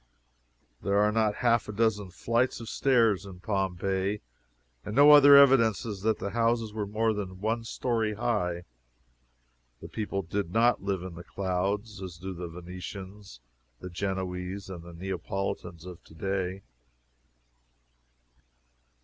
There are not half a dozen flights of stairs in Pompeii, and no other evidences that the houses were more than one story high. The people did not live in the clouds, as do the Venetians, the Genoese and Neapolitans of to day.